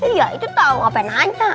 iya itu tau ngapain aja